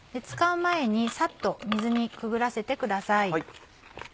使う前にさっと水にくぐらせてください。